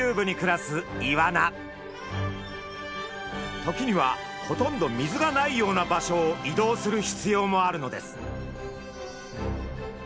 時にはほとんど水がないような場所を移動する必要もあるのです。